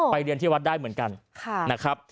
อ๋อไปเรียนที่วัดได้เหมือนกันค่ะนะครับ